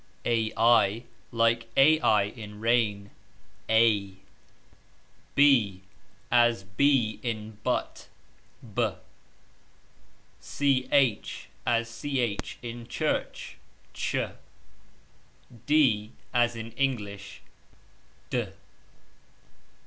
...... Like ai in 'rain ............ As b in but ............... As ch in church ............ As in English